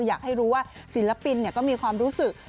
อยากให้รู้ว่าศิลปินก็มีความรู้สึก